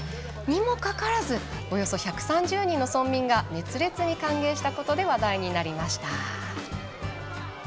にもかかわらずおよそ１３０人の村民が熱烈に歓迎したことで話題になりました。